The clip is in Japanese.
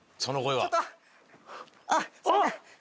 あっ！